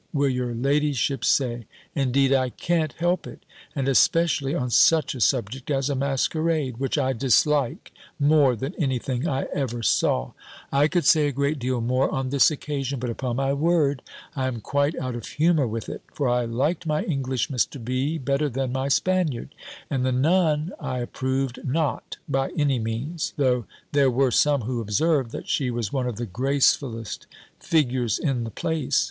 will your ladyship say: indeed I can't help it: and especially on such a subject as a masquerade, which I dislike more than any thing I ever saw. I could say a great deal more on this occasion; but, upon my word, I am quite out of humour with it: for I liked my English Mr. B. better than my Spaniard: and the Nun I approved not by any means; though there were some who observed, that she was one of the gracefullest figures in the place.